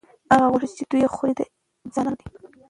هغه غوښې چې دوی یې خوري، د انسانانو دي.